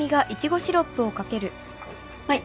はい。